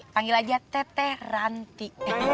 panggil aja teteh ranti